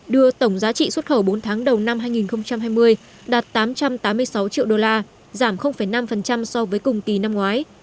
đưa tổng giá trị xuất khẩu bốn tháng đầu năm hai nghìn hai mươi đạt tám trăm tám mươi sáu triệu đô la giảm năm so với cùng kỳ năm ngoái